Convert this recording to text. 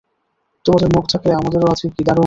তোমাদের মুখ থাকলে, আমাদেরও আছে কি দারুন!